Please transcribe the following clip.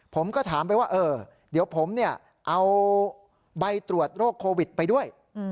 ผมก็ถามไปว่าเออเดี๋ยวผมเอาใบตรวจโรคโควิดไปด้วย